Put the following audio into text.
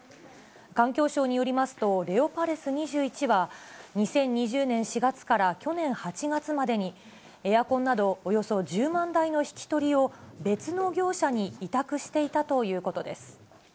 環境省によりますと、レオパレス２１は、２０２０年４月から去年８月までに、エアコンなどおよそ１０万台の引き取りを、別の業者に委託していたということです。